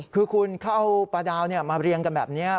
คือคุณเขาเอาปลาดาวมาเรียงกันแบบนี้